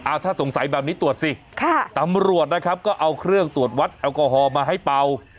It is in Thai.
ถ้าสงสัยแบบนี้ตรวจสิค่ะตำรวจนะครับก็เอาเครื่องตรวจวัดแอลกอฮอลมาให้เป่า